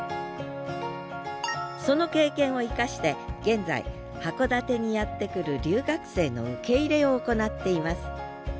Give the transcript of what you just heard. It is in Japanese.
その経験を生かして現在函館にやって来る留学生の受け入れを行っています。